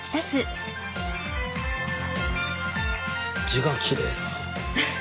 字がきれいだ。